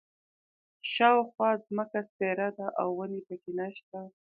شاوخوا ځمکه سپېره ده او ونې په کې نه شته.